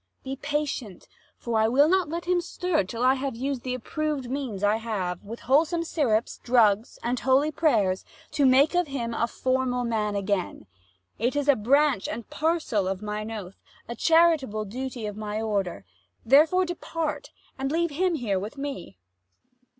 Abb. Be patient; for I will not let him stir Till I have used the approved means I have, With wholesome syrups, drugs and holy prayers, To make of him a formal man again: 105 It is a branch and parcel of mine oath, A charitable duty of my order. Therefore depart, and leave him here with me.